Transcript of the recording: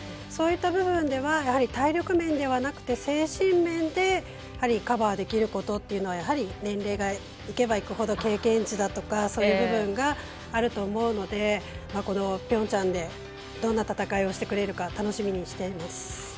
そういった部分ではやはり体力面ではなくて精神面でやはりカバーできることというのは年齢がいけばいくほど経験値だったり、そういう部分があると思うのでこのピョンチャンでどんな戦いをしてくれるか楽しみにしてます。